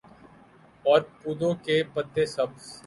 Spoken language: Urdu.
اور پودوں کے پتے سبز